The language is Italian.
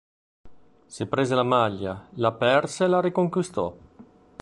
Si prese la maglia, la perse e la riconquistò.